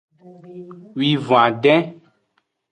Wivon-aden.